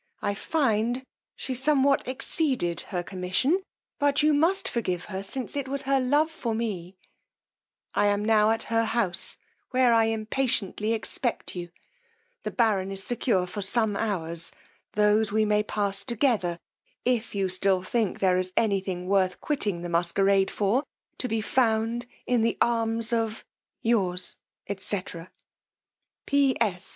I find she somewhat exceeded her commission, but you must forgive her, since it was her love for me: I am now at her house, where I impatiently expect you The baron is secure for some hours; those we may pass together, if you still think there is any thing worth quitting the masquerade for, to be found in the arms of Yours, &c, _P.S.